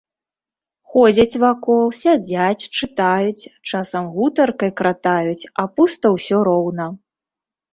Ходзяць вакол, сядзяць, чытаюць, часам гутаркай кратаюць, а пуста ўсё роўна.